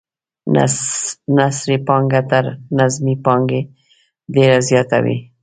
نثري پانګه تر نظمي پانګې ډیره زیاته وي.